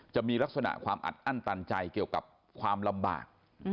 จะมีลักษณะความอัดอั้นตันใจเกี่ยวกับความลำบาก